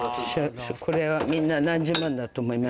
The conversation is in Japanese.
これはみんな何十万だと思います。